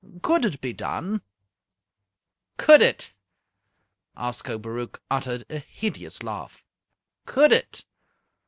Could it be done?" "Could it!" Ascobaruch uttered a hideous laugh. "Could it!